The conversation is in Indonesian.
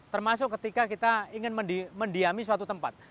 termasuk ketika kita ingin mendiami suatu tempat